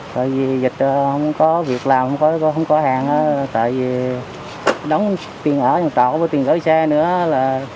tại vì dịch không có việc làm không có hàng tại vì đóng tiền ở trong trọ và tiền gửi xe nữa là